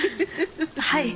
はい。